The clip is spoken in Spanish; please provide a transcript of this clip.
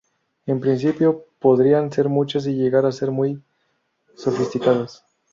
En principio, podrían ser muchas y llegar a ser muy sofisticadas.